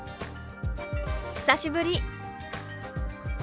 「久しぶり」。